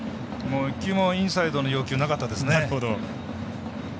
１球もインサイドの要求なかったですね。